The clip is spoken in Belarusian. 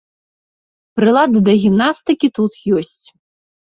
Прылады да гімнастыкі тут ёсць.